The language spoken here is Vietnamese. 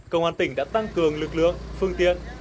công an tỉnh đã tăng cường lực lượng phương tiện